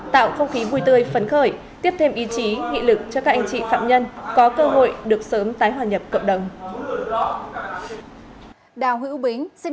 tạo không khí vui tươi phấn khởi tiếp thêm ý chí nghị lực cho các anh chị phạm nhân có cơ hội được sớm tái hòa nhập cộng đồng